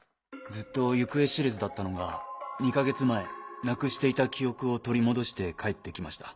ずっと行方知れずだったのが２か月前なくしていた記憶を取り戻して帰って来ました。